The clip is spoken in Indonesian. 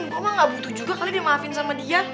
gue mah ga butuh juga kali dia maafin sama dia